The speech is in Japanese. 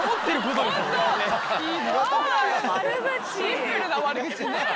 シンプルな悪口ねぇ！